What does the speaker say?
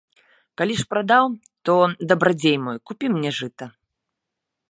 Калі ж прадаў, то, дабрадзей мой, купі мне жыта.